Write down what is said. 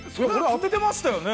当ててましたよね。